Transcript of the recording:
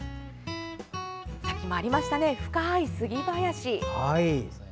さっきもありましたね深い杉林。